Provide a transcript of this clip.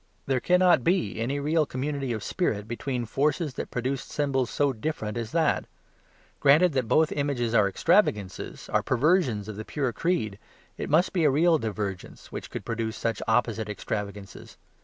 There cannot be any real community of spirit between forces that produced symbols so different as that. Granted that both images are extravagances, are perversions of the pure creed, it must be a real divergence which could produce such opposite extravagances.